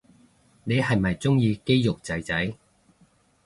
你係咪鍾意肌肉仔仔